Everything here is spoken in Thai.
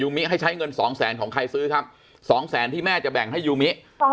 มิให้ใช้เงินสองแสนของใครซื้อครับสองแสนที่แม่จะแบ่งให้ยูมิ